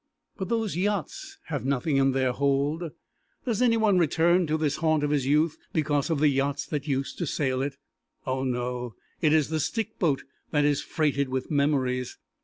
But those yachts have nothing in their hold. Does anyone return to this haunt of his youth because of the yachts that used to sail it? Oh, no. It is the stick boat that is freighted with memories.